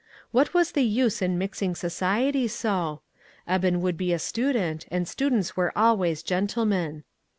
What was the use in mixing society so? Eben would be a stu dent, and students were always gentlemen.